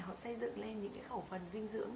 họ xây dựng lên những khẩu phần dinh dưỡng